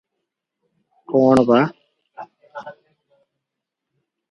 କଣ ବା